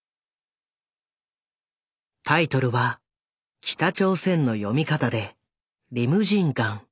タイトルは北朝鮮の読み方で「リムジン江」。